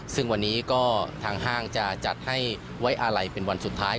ซึ่งวันนี้ก็ทางห้างจะจัดให้ไว้อาลัยเป็นวันสุดท้าย